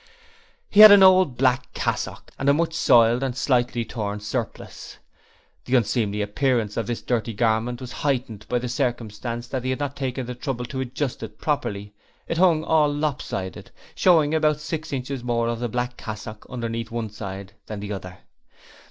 He had on an old black cassock and a much soiled and slightly torn surplice. The unseemly appearance of this dirty garment was heightened by the circumstance that he had not taken the trouble to adjust it properly. It hung all lop sided, showing about six inches more of the black cassock underneath one side than the other.